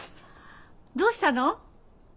どうしたの？